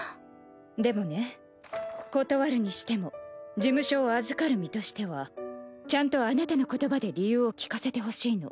でもね断るにしても事務所を預かる身としてはちゃんとあなたの言葉で理由を聞かせてほしいの。